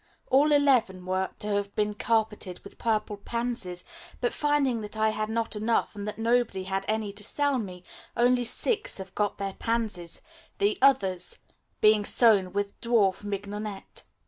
All eleven were to have been carpeted with purple pansies, but finding that I had not enough and that nobody had any to sell me, only six have got their pansies, the others being sown with dwarf mignonette.